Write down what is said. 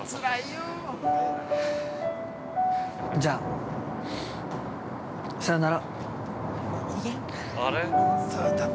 じゃあ、さよなら。